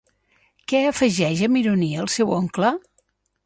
Què afegeix amb ironia el seu oncle?